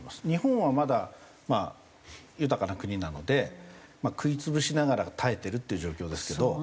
日本はまだまあ豊かな国なので食い潰しながら耐えてるっていう状況ですけど。